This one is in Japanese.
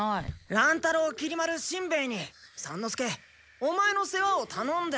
乱太郎きり丸しんべヱに三之助オマエの世話をたのんで。